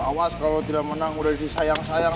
awas kalau tidak menang udah disayang sayang